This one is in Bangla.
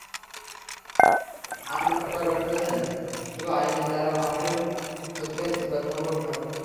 আম্বেদকর বলেছেন, শুধু আইনের দ্বারা মানুষের অধিকার নিশ্চিত করা সম্ভব নয়।